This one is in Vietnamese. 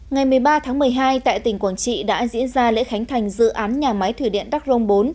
ngày một mươi ba tháng một mươi hai tại tỉnh quảng trị đã diễn ra lễ khánh thành dự án nhà máy thủy điện đắc rông bốn